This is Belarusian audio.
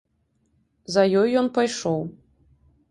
За ёй ён пайшоў.